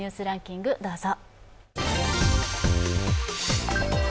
「Ｎスタ・ニュースランキング」、どうぞ。